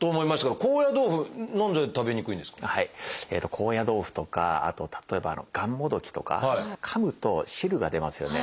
高野豆腐とかあと例えばがんもどきとかかむと汁が出ますよね。